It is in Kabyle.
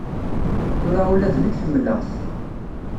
Tura ula d nekk ḥemmleɣ-t.